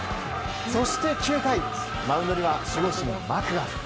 そして、９回マウンドには守護神マクガフ。